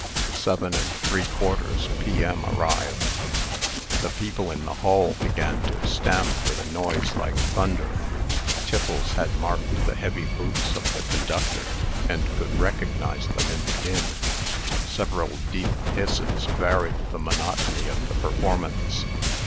Seven and three quarters P.M. arrived. The people in the hall began to stamp with a noise like thunder. Tiffles had marked the heavy boots of the conductor, and could recognize them in the din. Several deep hisses varied the monotony of the performance.